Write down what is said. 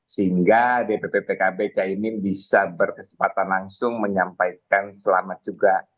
sehingga dpp pkb caimin bisa berkesempatan langsung menyampaikan selamat juga